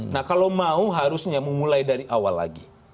nah kalau mau harusnya memulai dari awal lagi